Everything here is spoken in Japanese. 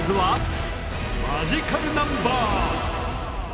マジカルナンバー！